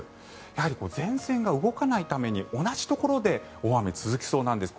やはり前線が動かないために同じところで大雨が続きそうなんです。